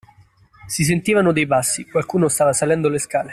Si sentivano dei passi, qualcuno stava salendo le scale.